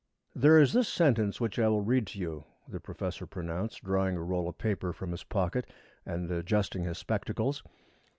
"There is this sentence which I will read to you," the professor pronounced, drawing a roll of paper from his pocket and adjusting his spectacles.